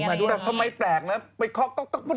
ทำไมแปลกนะไปเขาก๊อกก๊อกก๊อก